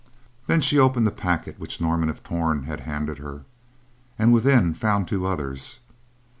Then she opened the packet which Norman of Torn had handed her, and within found two others.